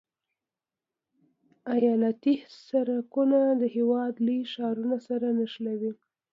ایالتي سرکونه د هېواد لوی ښارونه سره نښلوي